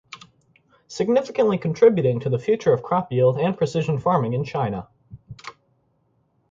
Significantly contributing to the future of crop yield and precision farming in China.